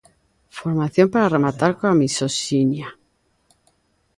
Formación para rematar coa misoxinia.